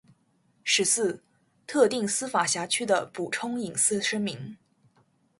十四、特定司法辖区的补充隐私声明